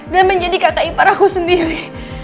dan menjadi kakak ipar aku sendiri